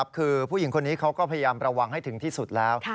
คือผู้หญิงคนนี้เขาก็พยายามระวังให้ถึงที่สุดแล้ว